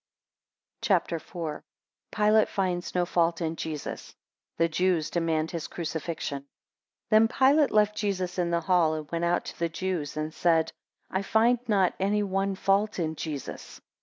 CHAPTER IV. 1 Pilate finds no fault in Jesus. 16 The Jews demand his crucifixion. THEN Pilate left Jesus in the hall, and went out to the Jews, and said, I find not any one fault in Jesus.